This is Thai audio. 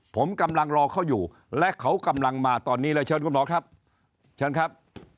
ผมกำลังรอเขาอยู่และเขากำลังมาตอนนี้เลยเชิญคุณหมอครับเชิญครับ